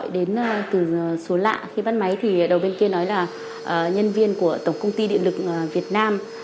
đến từ số lạ khi bắt máy thì đầu bên kia nói là nhân viên của tổng công ty điện lực việt nam